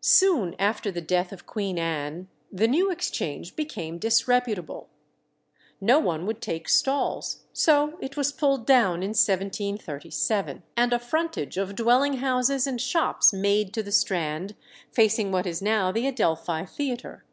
Soon after the death of Queen Anne the New Exchange became disreputable. No one would take stalls, so it was pulled down in 1737, and a frontage of dwelling houses and shops made to the Strand, facing what is now the Adelphi Theatre.